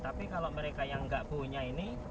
tapi kalau mereka yang nggak punya ini